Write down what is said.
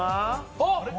あっ！